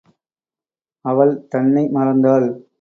அவள் தன்னை மறந்தாள்.